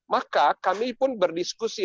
maka kami pun berdiskusi